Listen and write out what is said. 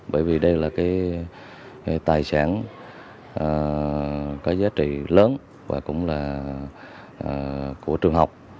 bởi vì đây là cái tài sản có giá trị lớn và cũng là của trường học